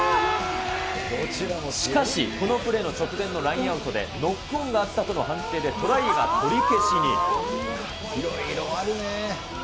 しかし、このプレーの直前のラインアウトでノックオンがあったとの判定でいろいろあるね。